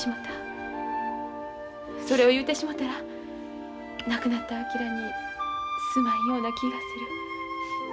それを言うてしもたら亡くなった昭にすまんような気がする。